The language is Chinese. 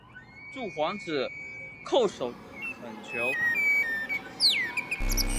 诸皇子叩首恳求。